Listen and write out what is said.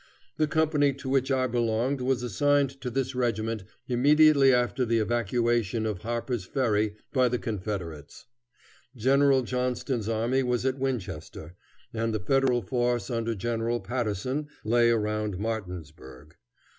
The company to which I belonged was assigned to this regiment immediately after the evacuation of Harper's Ferry by the Confederates. General Johnston's army was at Winchester, and the Federal force under General Patterson lay around Martinsburg.